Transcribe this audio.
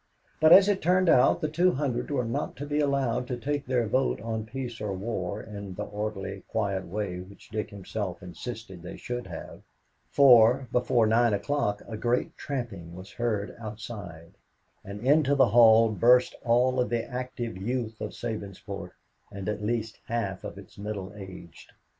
But, as it turned out, the two hundred were not to be allowed to take their vote on peace or war in the orderly, quiet way which Dick himself insisted they should have, for, before nine o'clock, a great tramping was heard outside, and into the hall burst all of the active youth of Sabinsport and at least half of its middle aged.